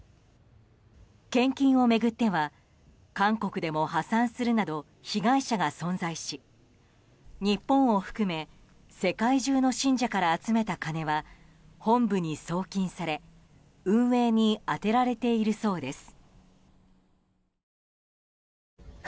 献金を巡っては、韓国でも破産するなど被害者が存在し日本を含め世界中の信者から集めた金は本部に送金され、運営に充てられているそうです。